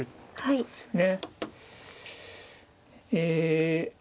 そうですね。